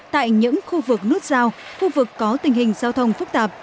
tại những khu vực nút giao khu vực có tình hình giao thông phức tạp